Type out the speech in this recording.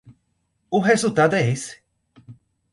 O resultado é esse.